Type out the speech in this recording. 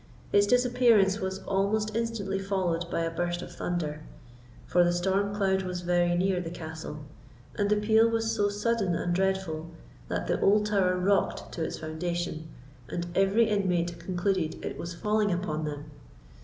Its disappearance was almost instantly followed by a burst of thunder, for the storm cloud was very near the castle; and the peal was so sudden and dreadful, that the old tower rocked to its foundation, and every inmate concluded it was falling upon them.